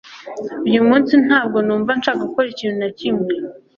Uyu munsi ntabwo numva nshaka gukora ikintu na kimwe